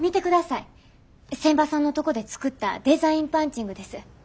仙波さんのとこで作ったデザインパンチングです。